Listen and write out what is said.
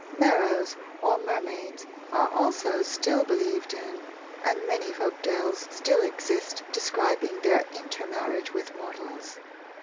Merrows, or Mermaids, are also still believed in, and many folk tales exist describing their intermarriage with mortals.